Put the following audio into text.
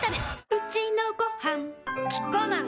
うちのごはんキッコーマン